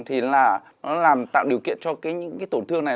thì nó tạo điều kiện cho những cái tổn thương này